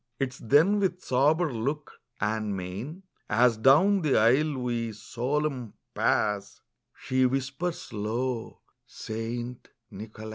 Tis then with sober look, and mein, As down the aisle we, solemn, pass, She whispers low, 'St. Nicholas.